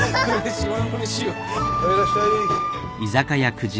はいいらっしゃい。